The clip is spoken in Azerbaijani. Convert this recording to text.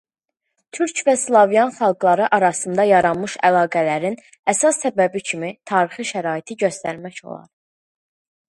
Türk və slavyan xalqları arasında yaranmış əlaqələrin əsas səbəbi kimi tarixi şəraiti göstərmək olar.